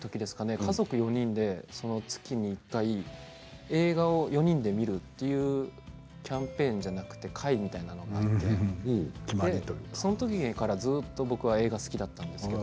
家族４人で月に１回映画を、４人で見るというキャンペーンじゃなくて会みたいなのがその時からずっと僕は、映画が好きだったんですけど。